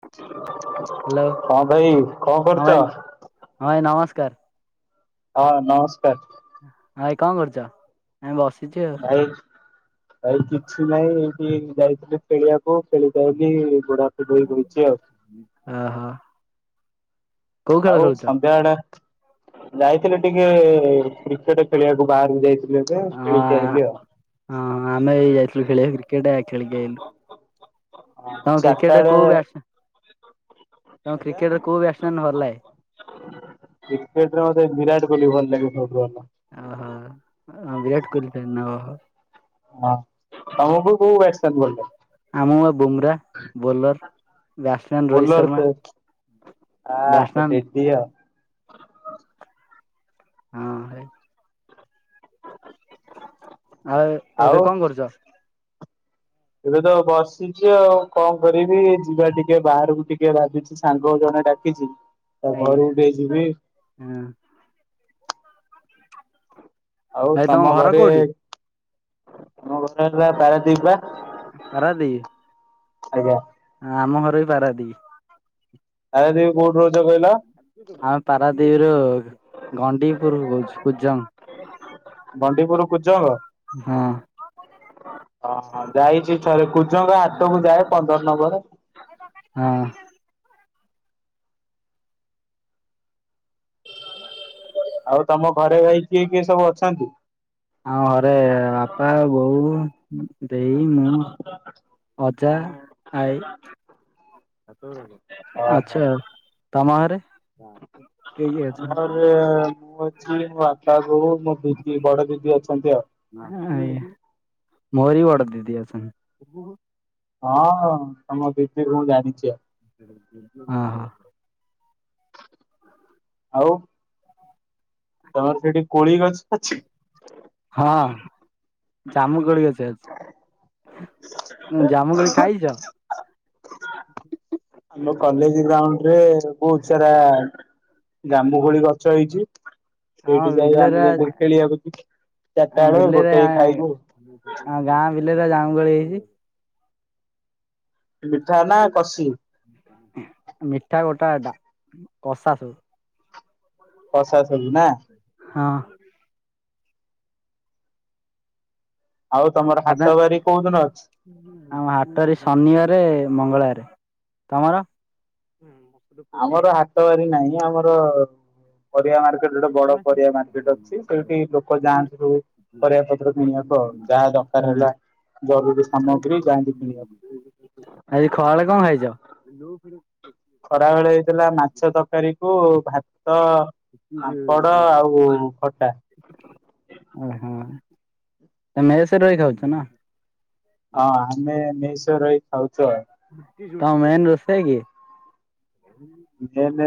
[unintelligible] Hello ଭାଇ କଣ ହଁ କରୁଛ? ଭାଇ ହଁ ଭାଇ ନମସ୍କାର। ହଁ ନମସ୍କାର। ହଁ ଭାଇ କଣ କରୁଚ? ଏ ବସିଛି ଆଉ। ଆଉ ଆଉ କିଛି ନାଇଁ ଏମିତି ହେଇକି ଯାଇଥିଲି ଖେଳିଆକୁ ଖେଳିକି ଆଇଲି ଗୋଡ ହାତ ଧୋଇ ବଇଚି ଆଉ। ହଁ [unintelligible] ଆଉ ସନ୍ଧ୍ୟାବେଳେ ଯାଇଥିଲି ଟିକେ ଏ କ୍ରିକେଟ ଖେଳିଆକୁ ବାହାରକୁ ଯାଇଥିଲେ। ହଁ ଆ ହଁ ଆମେ ଏଇ ଯାଇଥିଲୁ ଖେଳିକିଆକୁ କ୍ରିକେଟେ ଖେଳିକି ଆଇଲୁ। ହଁ ତମକୁ ଚାରିଟା କ୍ରିକେଟରେ ବେଳେ କୋଉ ବ୍ୟାଟ୍ସ୍ ମ୍ୟା ତମକୁ କ୍ରିକେଟରେ କୋଉ ବ୍ୟାଟ୍ସ୍ ମ୍ୟାନ୍ ଭଲ ଲାଗେ? କ୍ରିକେଟର ମତେ ବିରାଟ କୋହଲି ଭଲ ଲାଗେ, ସବୁଠୁ ଭଲ। ଓହୋ ଅ ବିରାଟ କୋହଲି ତ ନ ଓହୋ। ହଁ, ତମକୁ କୋଉ ବ୍ୟାଟ୍ସ୍ ମ୍ୟାନ୍ ଭଲ୍ ଲାଗେ? ଆମୁକୁ ବା Bumrah bowler, batsman Rohit Sharma. ଆହା ବ୍ୟାଟ୍ସମ୍ୟାନ [inaudible] ଦିଅ ହଁ ହେଏ ଆଉ ଏବେ ଆଉ କଣ କରୁଛ? ଏବେ ତ ବସିଛି ଆଉ କଣ କରିବି? ଯିବା ଟିକେ ବାହାରକୁ ଟିକେ ଭାବିଛି। ସାଙ୍ଗ ଜଣେ ଡାକିଛି, ତା ଆଜ୍ଞା ଘରୁକୁ ଟିକେ ଯିବି। ହଁ। ଆଉ ଭାଇ ତମ ଘର କୋଉଠି ଘରେ- ଆମ ଘର ହେଲା ପାରାଦ୍ୱୀପ ବା, ଆଜ୍ଞା। ହଁ ଆମ ଘର ବି ପାରାଦ୍ୱୀପ। ଆଉ ଏବେ କୋଉଠୁ ରହୁଛ କହିଲ? ଆମେ ପାରାଦ୍ୱୀପରୁ ଗଣ୍ଡିପୁରୁରୁ କହୁଛୁ, କୁଜଙ୍ଗ୍- ଗଣ୍ଡିପୁର କୁଜଙ୍ଗ? ହଁ। ହଁ ହଁ ଯାଇଛି ଥରେ କୁଜଙ୍ଗ ହାଟକୁ ଯାଏ ପନ୍ଦର ନମ୍ବର। ହଁ। ଆଉ ତମ ଘରେ ଭାଇ- କିଏ କିଏ ସବୁ ଅଛନ୍ତି? ଆମ ଘରେ ବାପା, ବୋଉ, ଦେଇ, ମୁଁ ଆ ଅଜା, ଆଈ ଓହୋ। ଆଚ୍ଛା। ତମ ଘରେ? କିଏ କିଏ? ଆମ ଘରେ ମୁଁ ଅଛି ମୋ ବାପା, ବୋଉ ମୋ ଦିଦି ବଡ ଦିଦି ଅଛନ୍ତି ଆଉ। ଆଜ୍ଞା ମୋର ବି ବଡ ଦିଦି ଅଛନ୍ - ହଁ ହଁ ତମ ଦିଦିକୁ ମୁଁ ଜାଣିଛି ଆଉ। ହଁ ହଁ। ଆଉ। ତମର ସେଠି କୋଳି ଗଛ ଅଛି? ହଁ, ଜାମୁ କୋଳି ଗଛ ଅଛି। ଜାମୁ କୋଳି ଖାଇଛ? ମୋ କଲେଜ ଗ୍ରାଉଣ୍ଡରେ ବହୁତ ସାରା ଜାମୁ କୋଳି ଗଛ ହେଇଛି। ହଁ ସେଇଠି ଯାଇ ବିଲେରେ ଆମେ ଯେମିତି [unintelligible] ଖେଳିବାକୁ ଯିବୁ। ଆମ ଚାରିଟା ବେଳେ ବିଲେରେ ଗୋଟେଇ ଖାଇବୁ। ଆମ ଗାଁ ବିଲେରେ ଜାମୁ କୋଳି ହେଇଛି। ମିଠା ନା କଷି? ମିଠା ଗୋଟା ଗୋଟା କଷା ସବୁ। କସା ସବୁ ନା ହଁ। ଆଉ ତମର ତ ହାଟ ବାରି କୋଉଦିନ ଅଛି? ଆଉ ହାଟରେ ଶନିବାରେ ମଙ୍ଗଳବାରେ। ତମର? ଆମର ହାଟ ବାରି ନାହିଁ। ଆମର ପରିବା ମାର୍କେଟ ଗୋଟେ ବଡ ପରିବା ମାର୍କେଟ ଅଛି। ସେଇଠି ଲୋକ ଯାଆନ୍ତି ସବୁ। ପରିବା ପତ୍ର କିଣିବାକୁ, ଆଉ ଯାହା ଦରକାର ହେଲା ଜରୁରୀ ଆଜି ସାମଗ୍ରୀ ଯାଆନ୍ତି କିଣିବାକୁ। ଖରା ବେଳେ କଣ ଖାଇଛ? ଖରା ଭେଳେ ହେଇଥିଲା ମାଛ ତରକାରୀ କୁ ଭାତ ପାମ୍ପଡ଼ ଆଉ ଖଟା। ଓହୋ। ତମେ ମେସ୍ ରହିକି ଖାଉଛ ନା? ହଁ ଆମେ ମେସ୍ ରେ ରହି ଖାଉଛୁ ଆଉ। ତ ମେନ୍ ରୋଷେଇ କି ମେନ୍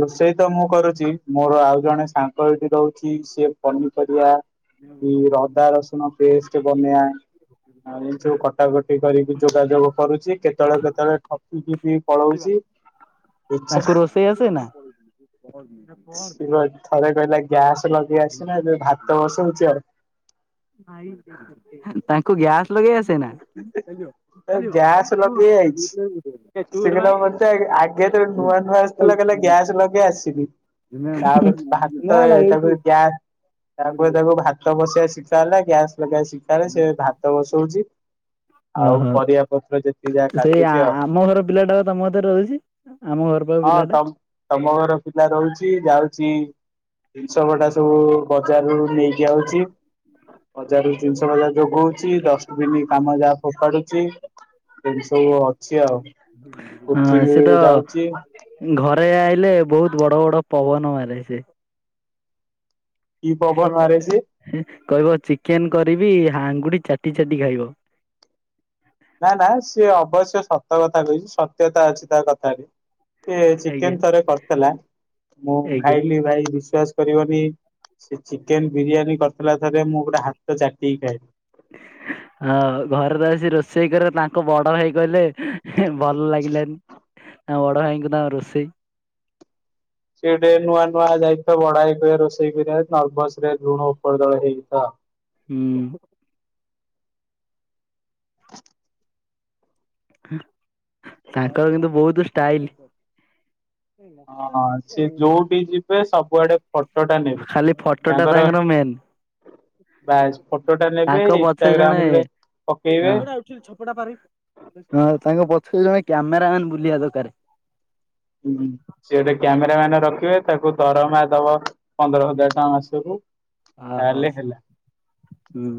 ରୋଷେଇ ତ ମୁଁ କରୁଛି, ମୋର ଆଉ ଜଣେ ସାଙ୍ଗ ଏଠି ରହୁଛି, ସିଏ ପନିପରିବା କି ରଦା ରସୁଣ ପେଷ୍ଟ ବନେଇବା ଆ ଏ ସୁ କଟାକଟି କରିକି ଯୋଗାଯୋଗ କରୁଛି, କେତେବେଳେ କେତେବେଳେ ଠକିକି ବି ପଳଉଛି। ଇଚ୍ଛା ତାଙ୍କୁ ରୋଷେଇ ଆସେ ନା? ସିଏ ଥରେ କହିଲା ଗ୍ୟାସ୍ ଲଗେଇ ଆସି ନା ଏବେ ଭାତ ବସଉଛି ଆଉ। ତାଙ୍କୁ ଗ୍ୟାସ୍ ଲଗେଇ ଆସେ ନା? ତାକୁ ଗ୍ୟାସ୍ ଲଗେଇ ଆଇଛି। ସେ କହିଲା ମତେ, ଆଗେ ତ ନୂଆ ନୂଆ ଥିଲା କହିଲା ଗ୍ୟାସ୍ ଲଗେଇ ଆସିନି। ତାପରେ ଭାତ ତାକୁ ଗ୍ୟା-ତାପରେ ତାକୁ ଭାତ ଭାତ ବସେଇବା ଶିଖା ହେଲା ଗ୍ୟାସ୍ ଲଗେଇବା ଶିଖା ହେଲା ସେ ଭାତ ବସଉଛି। ଆଉ ଓହୋ। ପରିବା ପତ୍ର ଯେତିକି ଯାହା ସେଇ କାଟୁଛି ଆଉ ଆମ ଘର ପିଲାଟା ତମ କତିରେ ରହୁଛି? ଆମ ଘର ପାଖ ହଁ ପିଲାଟା। ତମ ତମ ଘର ପିଲା ରହୁଛି ଯାଉଛି। ଜିନିଷ କଟା ସବୁ ବଜାର ରୁ ନେଇକି ଆଉଛି। ବଜାର ରୁ ଜ ନିଶ ହେରା ଯୋଗଉଛି, ଡଷ୍ଟବନ୍ କାମ ଯାହା ଫୋପାଡୁଛି। ଏମିତି ସବୁ ଅଛି ଆଉ। ହଁ ସେ ତ ପୃଥିବୀ ଯାଉଛି। ଘରେ ଆଇଲେ ବହୁତୁ ବଡ ବଡ ପବନ ମାରେ ସେ। କି ପବନ ମାରେ ସିଏ? କହିବ ଚିକେନ୍ କରିବି ଆଙ୍ଗୁଡି ଚାଟି ଚାଟି ଖାଇବ। ନା ନା ସିଏ ଅବଶ୍ୟ ସତ କଥା କହିଛି। ସତ୍ୟତା ଅଛି ତା କଥାଟି। ସେ ଆଜ୍ଞା ଚିକେନ୍ ଥରେ କରିଥିଲା, ମୁଁ ଆଜ୍ଞା ଖାଇଲି ଭାଇ ବିଶ୍ବାସ କରିବନି ସେ ଚିକେନ୍ ବିରିୟାନୀ କରିଥିଲା ଥରେ ମୁଁ ଗୋଟେ ହାତ ଚାଟିକି ଖାଇଲି। ହଁ ଘରେ ରହି ସେ ରୋଷେଇ କରେ ତାଙ୍କ ବଡ ଭାଇ କହିଲେ ଭଲ ଲାଗିଲାନି। ତା ବଡ ଭାଇଙ୍କୁ ତା ରୋଷେଇ। ସେ ଟିକେ ନୂଆ ନୂଆ ଯାଇଥିବ ବଡ ଭାଇ କହିବ ରୋଷେଇ କାରିବାକୁ, ନର୍ଭସ ରେ ଲୁଣ ଉପର ତଳ ହେଇଥ ହୁଁ। ତାଙ୍କର କିନ୍ତୁ ବୋହୁତ୍ ଷ୍ଟାଇଲ୍। ହଁ ସେ ଯୋଉଠି ଯିବେ ସବୁଆଡେ ଫଟୋ ଟା ନେବେ ଖାଲି ଫ ଟଟା ତାଙ୍କର ମେନ୍। ବାସ୍ ଫଟୋ ଟା ନେବେ ତାଙ୍କ ଇନ୍ଷ୍ଟାଗ୍ରାମ୍ ରେ ନେଇକି ପକେଇବେ। ଛକଟା ପାରେଇ। ତାଙ୍କ ପଛରେ ଜଣେ କ୍ୟାମେରାମନ୍ ବୁଲିବା ଦରକାର। ହୁଁ ସେ ଗୋଟେ କ୍ୟାମେରା ମ୍ୟାନ୍ ରଖିବେ ତାକୁ ଦରମା ଦବ। ପନ୍ଦର ହଜାର ଟଙ୍କା ମାସକୁ। ଅ ହୋ, ତାହେଲେ ହେଲା ହୁଁ।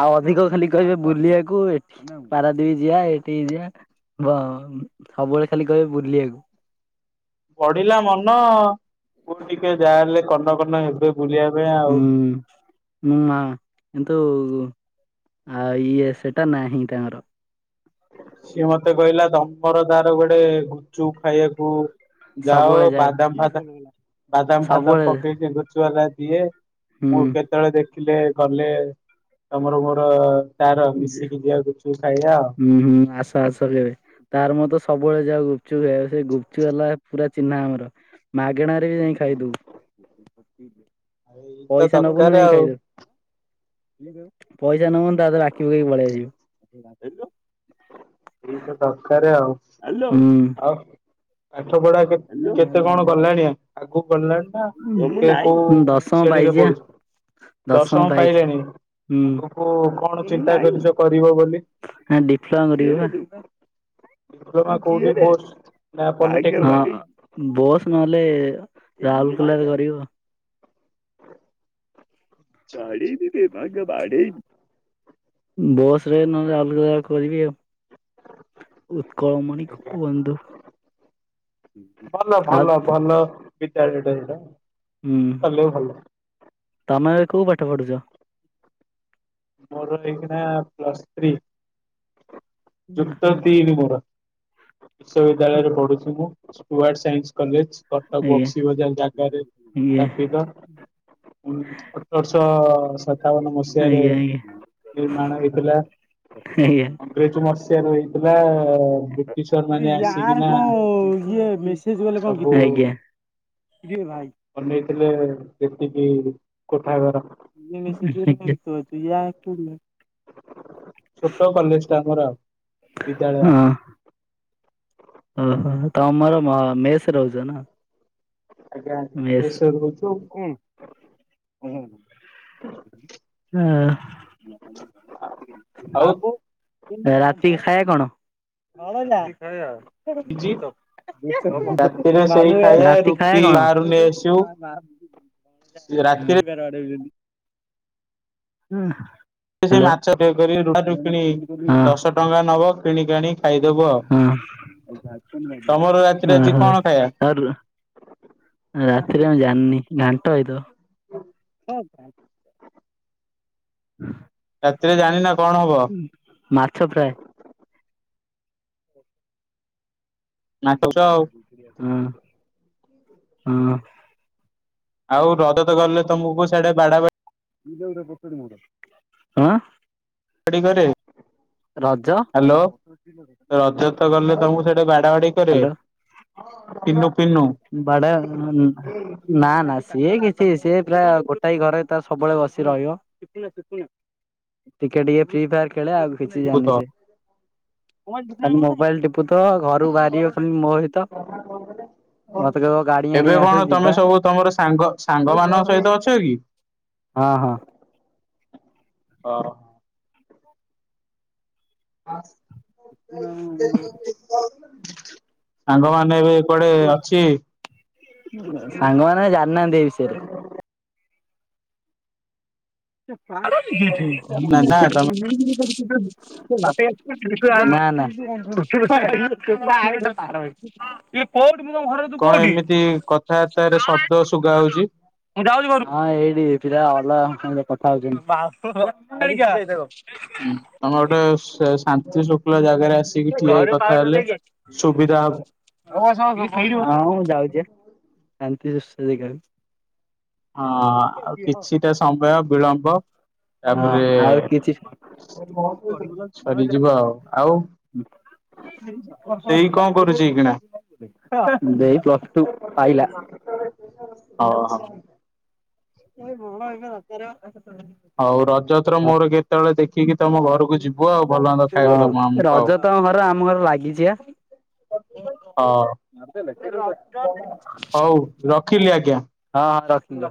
ଆଉ ଅଧିକ ଖାଲି କହିବେ ବୁଲିବାକୁ, ଏଠି ପାରାଦୀପ୍ ଯିବା ଏଠିକି ଯିବା। ବ ସବୁବେଳେ ଖାଲି କହିବେ ବୁଲିଆକୁ। ବଢିଲା ମନ କୁ ଟିକେ ଯାହାହେଲେ କନକନ ହେବେ। ବୁଲିବା ପାଇଁ ଆଉ। ହୁଁ। ଉମ୍ ମା କିନ୍ତୁ ଆ ଇଏ ସେଟା ନାହିଁ ତାଙ୍କର। ସିଏ ମତେ କହିଲା ତମର ତାର କୁଆଡ଼େ ଗୁପଚୁପ ଖାଇଆକୁ ଯା ହଉ ବାଦାମ ଫାଦାମ, ବାଦାମ ଫାଦାମ ସବୁବେଳେ ପକେଇକି ଟିକେ ଗୁପ୍ ଚୁପ୍ ବାଲା ଦିଏ। ହୁଁ ମୁଁ କେତେବେଳେ ଦେଖିଲେ ଗଲେ ତମର ମୋର ତାର ମିଶିକି ଯିବା ଗୁପଚୁପ୍ ଖାଇବା ଆଉ। ଉମ୍ ହୁଁ, ଆସ ଆସ କେବେ? ତାର ମୋର ତ ସବୁବେଳେ ଯାଉ ଗୁପଚୁପ ଖାଇବାକୁ, ସେ ଗୁପଚୁପ ବାଲା ପୁରା ଆମର ଚିହ୍ନା ଆମର। ମାଗେଣାରେ ବି ଯାଇଁ ଖାଇଦବୁ। ଏଇ ତ ପଇସା ଦରକାର ନବୁନୁ ଯାଇଁ ଆଉ ଖାଇଦବୁ। ପଇସା ନବୁନି ତା କତିରେ ବାକି ପକେଇକି ପଳେଇ ଆସିବୁ। ଏଇତ ଦରକାର ଆଉ। ଆଲୋ, ହୁଁ। ପାଠପଢା କେ କେତେ କଣ ଗଲାଣି ଆ ଆଗକୁ ଗଲାଣି ନା, କେ କୋଉ ଦଶମ ଶ୍ରେଣୀରେ ପାଇଚି ବା ପଢୁଛ? ଦଶମ ପାଇଲାଣି, ହୁଁ ଆଗୁକୁ କଣ ଚିନ୍ତା କରିଛ କରିବ ବୋଲି? ନାଁ ଡିପ୍ଲୋମା କରିବି ବା। ଡିପ୍ଲୋମା କୋଉଠି କୋର୍ସ ନା ହଁ ପଲିଟେକ୍ନିକ? ହଁ। ବୋସ୍ ନହେଲେ ରାଉଲକେଲାରେ କରିବି ଆଉ। [inaudible] ବୋସ୍ ରେ ନହେଲେ ଅଲଗା ଜାଗାରେ କରିବି ଆଉ। ଉତ୍କଳମଣି ଗୋପବନ୍ଧୁ। ଭଲ ଭଲ ହାତ୍ ଭଲ ବିଦ୍ୟାଳୟଟା ସେଇଟା। ହୁଁ, କଲେ ଭଲ। ତମେ ଏବେ କୋଉ ପାଠ ପଢୁଛ? ମୋର ଏଇଖିଣା ପ୍ଲସ୍ ଥ୍ରୀ, ଯୁକ୍ତ ତିନି ମୋର। ବିଶ୍ବଦ୍ୟାଳୟରେ ପଢୁଛି ମୁଁ, ଷ୍ଟୁଆର୍ଟ ସାଇନ୍ସ କଲେଜ। କଟକ ଆଜ୍ଞା ଆଜ୍ଞା ବକ୍ସିବଜାର ଜାଗାରେ ସ୍ଥାପିତ। ଉମ୍ ଅଠରଶହ ସତାବନ ମସିହାରେ ଆଜ୍ଞା ଆଜ୍ଞା ନିର୍ମାଣ ହେଇଥିଲା। ଆଜ୍ଞା। ଅଂଗ୍ରେଜ ମସିହାରୁ ହେଇଥିଲା ବ୍ରିଟିଶର ମାନେ ଆସିକିନା ସବୁ ଆଜ୍ଞା। ଇଏ ଭାଇ ବନେଇଥିଲେ ଯେମତିକି କୋଠା ଘର। [inaudible] ଛୋଟ କଲେଜଟା ଆମର ଆଉ ବିଦ୍ୟାଳୟ। ହଁ। ଓହୋ। ତମର ମ ମେସ୍ ରହୁଛ ନୁହଁ? ଆଜ୍ଞା ଆଜ୍ଞା ମେସ୍ ମେସ ରହୁଛୁ ଉଁ। ହୁଁ ଆଁ ଆଉ ପାଗ ରାତିକି ଖାଇଆ କଣ? ରାତି ପିଜି ରାତିରେ ସେଇ ଖାଇବା ଖାଇଆ ରୁଟି କଣ? ବାହାରୁ ନେଇ ଆସିବୁ ରାତିରେ ହୁଁ। ହଁ। ସେ ମାଛ ଇଏ କରିବେ, ବଜାରରୁୁ କିଣି ହଁ ଦଶ ଟଙ୍କା ନବ କିଣିକାଣି ଖାଇଦବ ଆଉ। ହୁଁ, ଓହୋ। ତମର ରାତିରେ ଆଜି କଣ ଖାଇବା ତାପରକୁ ରାତିରେ କଣ ମୁଁ ଜାଣିନି, ଘାଣ୍ଟ ହେଇଥବ। [unintelligible] ରାତିରେ ଜାଣିନ କଣ ହବ? ମାଛ ଫ୍ରାଏ। ନାଟୁଛ ଆଉ ହଁ ହଁ। ଆଉ ରଜତ ଗଲେ ତମକୁ ସେଟା ବାଡା ବା [unintelligible] ଡ଼ି କରେ। ରଜ ହ୍ୟାଲୋ ରଜତ ଗଲେ ତମକୁ ସେଠା ବାଡା ବାଡି କରେ? ତିନୁ ବାଡା। ନା ନା ସିଏ କିଛି ସିଏ ପ୍ରାୟ ଗୋଟାଏ ଘରେ ତ ସବୁବେଳେ ବସି ରହିବ। ଟିକେ ଟିକେ ଫ୍ରି ଫାୟାର ଖେଳେ ଆଉ। କିଛି ଭୂତ ଜାନି ସେ ମୋବାଇଲ ଟିପୁଥଵ ଘରୁ ବାହାରିବ ଖାଲି ମୋ ସହିତ। ମତେ କହିବ ଗାଡି ଆଣି ଏବେ ଆସେ କଣ ତମେ ଯିବା ସବୁ ତମର ସାଙ୍ଗ ସାଙ୍ଗ ମାନଙ୍କ ସହିତ ଅଛ କି? ହଁ ହଁ। ହଁ। [unintelligible] ସାଙ୍ଗମାନେ ଏବେ କୁଆଡେ ଅଛି? ସାଙ୍ଗମାନୋନ ଜାଣିନାହାନ୍ତି ଏଇ ବିଷୟରେ। [unintelligible] ନା ନା। କଉ ମୁ ତମ ଘର କଣ ଏମିତି କଥାବାର୍ତ୍ତାରେ ଶବ୍ଦ ଶୁଗା ହଉଛି। ଏଇଠି ପିଲା ଅଲଗା କଥା ହଉଛନ୍ତି। ହଁ ତମେ ଗୋଟେ ଶାନ୍ତି ଶୃଙ୍ଖଳା ଜାଗାରେ ଆସି ହଁ ହବ ମୁଁ ହଁ ଯାଉଛି। ଶାନ୍ତିରେ ସୁଏ ଖାଲି। ହଁ ଆଉ କିଛିଟା ସମୟ ବିଳମ୍ବ ତା ପରେ ହଁ ଆଉ କିଛି ସରିଯିବ ଆଉ ଆଉ। ଦେଇ କଣ କରୁଛି ଏଇକିଣା? ଦେଇ ପ୍ଲସ୍ ଟୁ ପାଇଲା। ଅ ହ। [unintelligible] ହଉ ରଜତର ହଁ ମୋର କେତେବେଳେ ଦେଖିକି ତମ ଘରକୁ ଯିବୁ ଆଉ ଭଲ ମନ୍ଦ ଖାଇବାକୁ ଦବ ଆମକୁ ଆଉ। ତମ ଘର ଆମ ଘର ଲାଗିଛି ବା। ହଁ ହଉ ରଖିଲି ଆଜ୍ଞା। ହଁ ହଁ ରଖି।